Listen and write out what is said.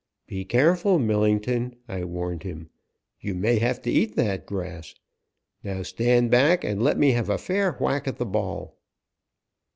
"Be careful, Millington," I warned him. "You may have to eat that grass. Now, stand back and let me have a fair whack at the ball."